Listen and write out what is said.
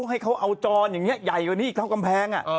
ให้เค้าเอาจองหล่อยกว่านี้เท่ากำแพง